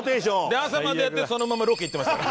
で朝までやってそのままロケ行ってました。